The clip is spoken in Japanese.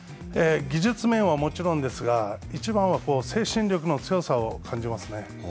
技術面はもちろんですが、いちばんは精神力の強さを感じますね。